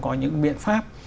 có những biện pháp